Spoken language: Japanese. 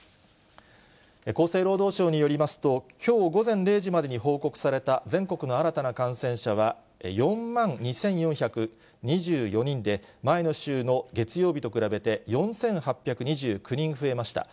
厚生労働省によりますと、きょう午前０時までに報告された全国の新たな感染者は、４万２４２４人で、前の週の月曜日と比べて４８２９人増えました。